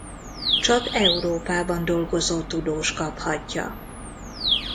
Csak Európában dolgozó tudós kaphatja.